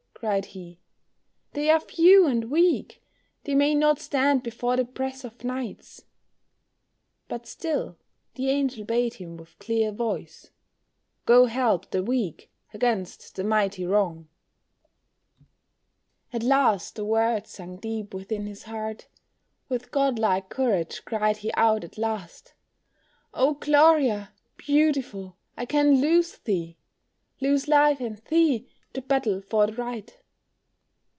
cried he, "they are few and weak, They may not stand before the press of knights;" But still the angel bade him with clear voice, "Go help the weak against the mighty wrong." At last the words sunk deep within his heart, With god like courage cried he out at last, "Oh, Gloria, beautiful, I can lose thee, Lose life and thee, to battle for the right."